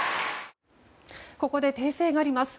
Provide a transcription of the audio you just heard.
ここで訂正があります。